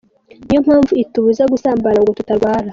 Niyo mpamvu itubuza gusambana ngo tutarwara.